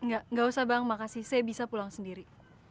gak gak usah bang makasih saya bisa pulang sendiri